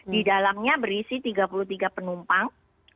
di dalamnya berisi tiga puluh tiga penumpang